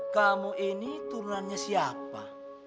kamu ini turunannya siapa